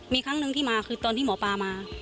มีครั้งหนึ่งที่มาคือตอนที่หมอปลามา